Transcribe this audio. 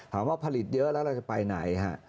ถามว่าผลิตเยอะแล้วเราจะไปไหนฮะ